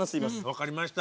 分かりました。